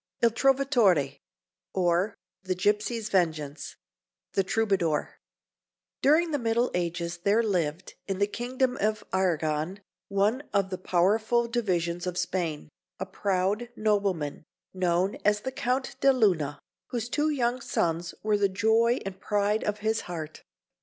IL TROVATORE, OR, THE GIPSY'S VENGEANCE (The Troubadour) During the Middle Ages there lived, in the kingdom of Arragon one of the powerful divisions of Spain a proud nobleman, known as the Count de Luna, whose two young sons were the joy and pride of his heart.